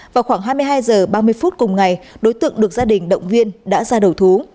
vào khoảng hai mươi hai h ba mươi phút cùng ngày đối tượng được gia đình động viên đã ra đầu thú